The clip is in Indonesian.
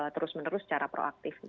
terus menerus secara proaktif